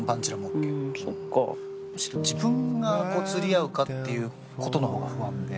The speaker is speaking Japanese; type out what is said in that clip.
むしろ自分が釣り合うかっていう事の方が不安で。